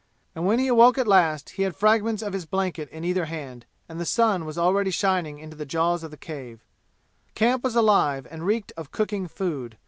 And when he awoke at last he had fragments of his blanket in either hand, and the sun was already shining into the jaws of the cave. The camp was alive and reeked of cooking food.